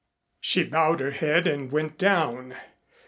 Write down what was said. She bowed her head and went down.